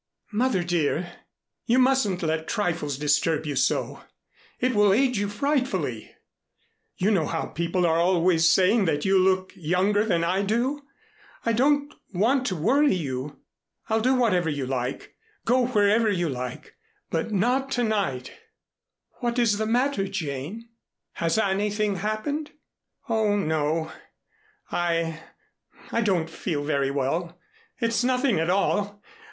"Mother, dear, you mustn't let trifles disturb you so. It will age you frightfully! You know how people are always saying that you look younger than I do. I don't want to worry you. I'll do whatever you like, go wherever you like, but not to night " "What is the matter, Jane? Has anything happened?" "Oh, no, I I don't feel very well. It's nothing at all.